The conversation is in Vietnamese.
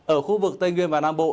ở khu vực tây nguyên và nam bộ